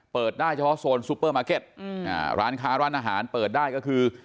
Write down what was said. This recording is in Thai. เปิดได้เฉพาะโซนซูเปอร์มาร์เก็ตร้านค้าร้านอาหารเปิดได้ก็คือ